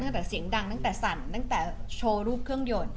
เสียงดังตั้งแต่สั่นตั้งแต่โชว์รูปเครื่องยนต์